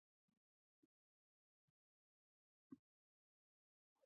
د سړکونو پر غاړو تېروي.